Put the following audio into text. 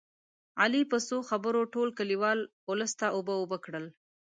علي په څو خبرو ټول کلیوال اولس ته اوبه اوبه کړل